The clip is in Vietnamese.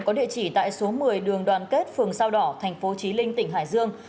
có địa chỉ tại số một mươi đường đoàn kết phường sao đỏ tp chí linh tỉnh hải dương